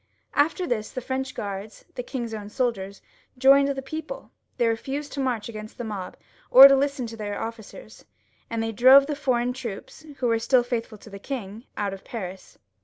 After this the French Guards, the king's own soldiers, joined the people ; they refased to march agaiost the mob, or to listen to their ofScers, and they drove the foreign troops, who were still faithful to the king, out of Paris.